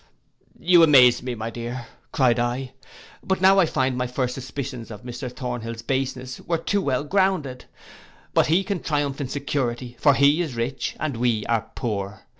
'You amaze me, my dear,' cried I; 'but now I find my first suspicions of Mr Thornhill's baseness were too well grounded: but he can triumph in security; for he is rich and we are poor.